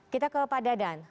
kita ke pak dadan